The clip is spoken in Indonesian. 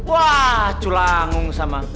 wah culangung sama